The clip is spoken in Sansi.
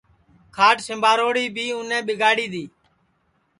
کھاٹ سجاوڑا بی اُنے ٻیگاڑی دؔی